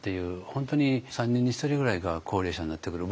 本当に３人に１人ぐらいが高齢者になってくる。